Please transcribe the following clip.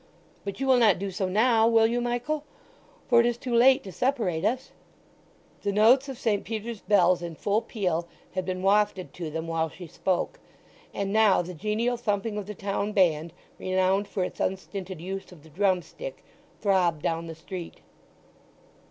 But you will not do so now, will you, Michael? for it is too late to separate us." The notes of St. Peter's bells in full peal had been wafted to them while he spoke, and now the genial thumping of the town band, renowned for its unstinted use of the drum stick, throbbed down the street.